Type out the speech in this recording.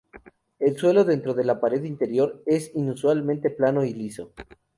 El suelo dentro de la pared interior es inusualmente plano y liso.